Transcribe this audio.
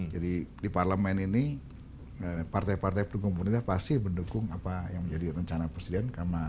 jadi di parlemen ini partai partai pendukung pemerintah pasti mendukung apa yang menjadi rencana presiden